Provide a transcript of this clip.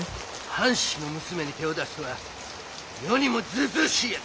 藩士の娘に手を出すとは世にもずうずうしいやつ。